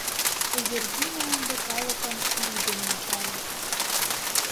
Эвердина ынде калыкым лӱдын ончале.